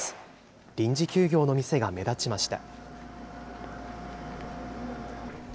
臨時休業の店が目立ちました。